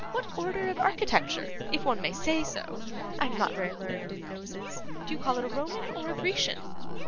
What order of architecture, if one may say so. I am not very learned in noses. Do you call it a Roman or a Grecian?